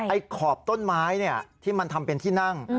ไอ้ขอบต้นไม้เนี่ยที่มันทำเป็นที่นั่ง